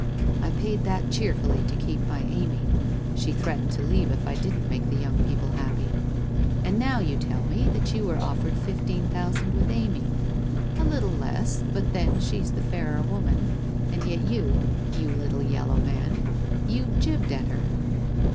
I paid that cheerfully to keep my Amy. She threatened to leave if I didn't make the 3 r oung people happy. And now you tell me that you were offered fifteen thousand with Amy — a little loss, but then she's the fairer woman, and yet you, you little yellow man, you jibbed at her